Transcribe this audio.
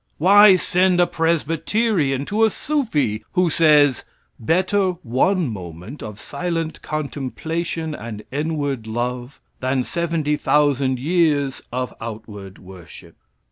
Why send a Presbyterian to a Sufi, who says: "Better one moment of silent contemplation and inward love, than seventy thousand years of outward worship?"